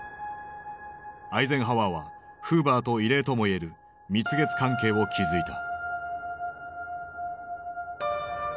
アイゼンハワーはフーバーと異例ともいえる蜜月関係を築いた。